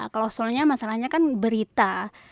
kalau soalnya masalahnya kan berita